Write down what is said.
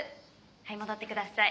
はい戻ってください。